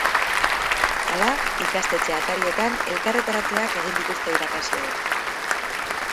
Hala, ikastetxe atarietan elkarretaratzeak egin dituzte irakasleek.